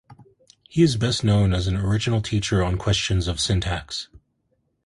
He is best known as an original teacher on questions of syntax.